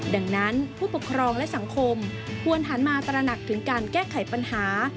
ดังนั้นผู้ปกครองและสังคมควรหันมาตระหนักถึงการแก้ไขปัญหา